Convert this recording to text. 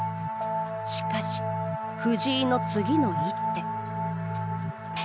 しかし、藤井の次の一手。